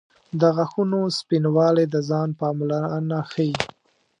• د غاښونو سپینوالی د ځان پاملرنه ښيي.